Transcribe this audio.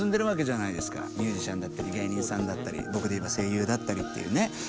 ミュージシャンだったり芸人さんだったり僕で言えば声優だったりっていうね。